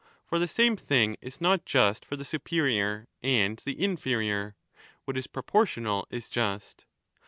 For the same thing is not just for the superior and the inferior ; what is proportional is just.